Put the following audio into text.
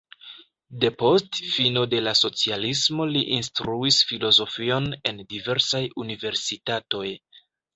Depost fino de la socialismo li instruis filozofion en diversaj universitatoj.